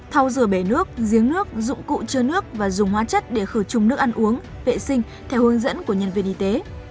thao rửa bể nước giếng nước dụng cụ chứa nước và dùng hóa chất để khử trùng nước ăn uống vệ sinh theo hướng dẫn của nhân viên y tế